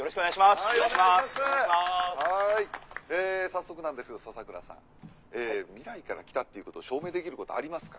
早速なんですが笹倉さん。未来から来たっていうことを証明できることありますか？